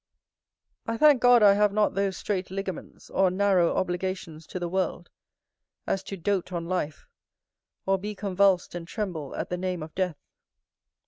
_ I thank God I have not those strait ligaments, or narrow obligations to the world, as to dote on life, or be convulsed and tremble at the name of death.